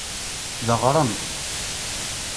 Deɣrent.